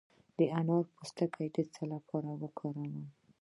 د انار پوستکی د څه لپاره وکاروم؟